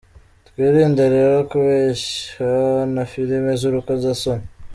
Twirinde rero kubeshywa na filimi z’urukozasoni.